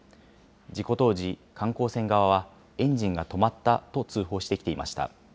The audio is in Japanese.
事故当時、観光船側はエンジンが止まったと通報してきていました。